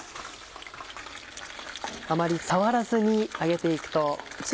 あまり触らずに揚げて行くと。